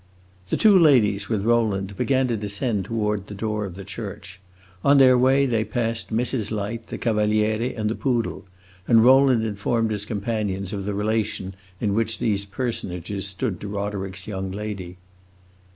The two ladies, with Rowland, began to descend toward the door of the church. On their way they passed Mrs. Light, the Cavaliere, and the poodle, and Rowland informed his companions of the relation in which these personages stood to Roderick's young lady.